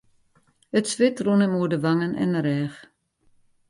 It swit rûn him oer de wangen en de rêch.